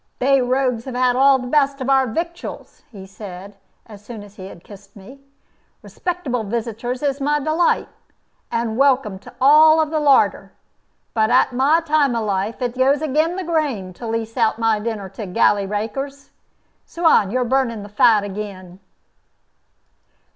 "They rogues have had all the best of our victuals," he said, as soon as he had kissed me. "Respectable visitors is my delight, and welcome to all of the larder; but at my time of life it goes agin the grain to lease out my dinner to galley rakers. Suan, you are burning the fat again."